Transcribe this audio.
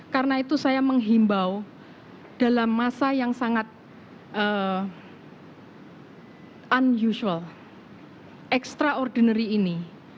karena itu saya menghimbau dalam masa yang sangat unusual extraordinary ini